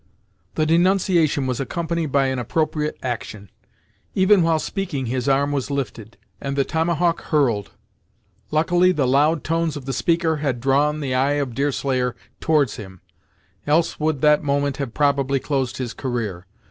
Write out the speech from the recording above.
The denunciation was accompanied by an appropriate action. Even while speaking his arm was lifted, and the tomahawk hurled. Luckily the loud tones of the speaker had drawn the eye of Deerslayer towards him, else would that moment have probably closed his career.